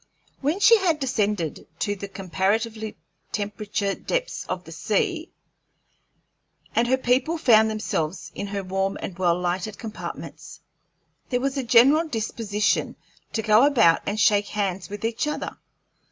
When she had descended to the comparatively temperate depths of the sea, and her people found themselves in her warm and well lighted compartments, there was a general disposition to go about and shake hands with each other.